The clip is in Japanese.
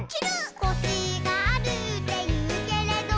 「コシがあるっていうけれど」